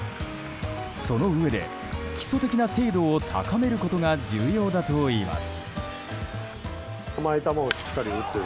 そのうえで基礎的な精度を高めることが重要だといいます。